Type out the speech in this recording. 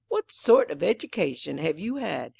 What sort of education have you had?